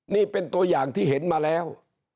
นี่เป็นตัวอย่างที่เห็นมาแล้ว